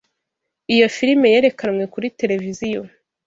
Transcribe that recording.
Iyo firime yerekanwe kuri tereviziyo.